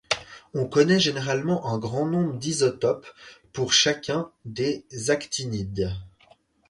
On connaît généralement un grand nombre d'isotopes pour chacun des actinides.